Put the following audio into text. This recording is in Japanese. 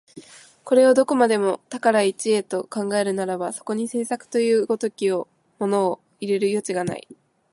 これをどこまでも多から一へと考えるならば、そこに製作という如きものを入れる余地がない。